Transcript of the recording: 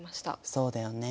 そうだよね。